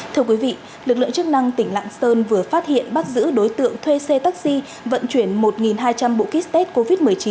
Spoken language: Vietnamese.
thưa quý vị lực lượng chức năng tỉnh lạng sơn vừa phát hiện bắt giữ đối tượng thuê xe taxi vận chuyển một hai trăm linh bộ kit test covid một mươi chín